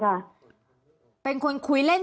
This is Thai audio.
ทำไมในข่าวเหมือนกับพุ่งไปที่เขาสักคนเดียวเลยคะ